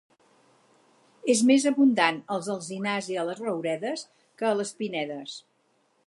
És més abundant als alzinars i a les rouredes que a les pinedes.